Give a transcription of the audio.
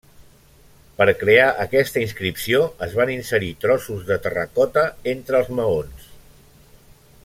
Per crear aquesta inscripció es van inserir trossos de terracota entre els maons.